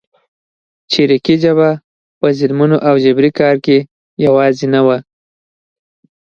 چریکي جبهه په ظلمونو او جبري کار کې یوازې نه وه.